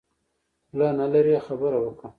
خوله نلرې خبره وکه.